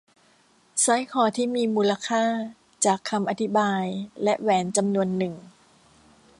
สร้อยคอที่มีมูลค่า จากคำอธิบายและแหวนจำนวนหนึ่ง